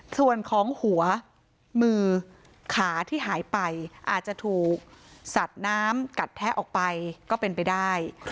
ส่วนของหัวมือขาที่หายไปอาจจะถูกสัดน้ำกัดแทะออกไปก็เป็นไปได้